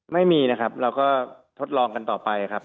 ไม่มีนะครับเราก็ทดลองกันต่อไปครับ